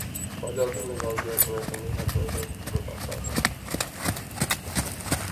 خواجہ آصف نے جواب دیا کہ میں تو حق میں نہیں کہ مذاکرات ہوں۔